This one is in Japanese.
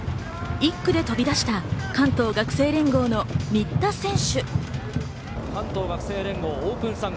１区で飛び出した関東学生連合の新田選手。